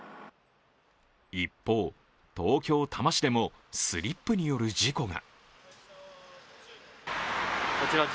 一方、東京・多摩市でもスリップによる事故が。